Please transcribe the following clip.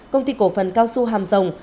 công ty cổ phần cao xu hàm rồng